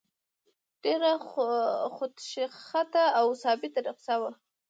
ډېره خوشخطه او ثابته نسخه وه.